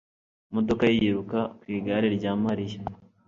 imodoka ye yiruka ku igare rya Mariya